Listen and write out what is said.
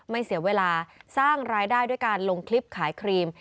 เสียเวลาสร้างรายได้ด้วยการลงคลิปขายครีม